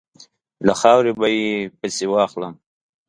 له خاورې به یې پسي واخلم.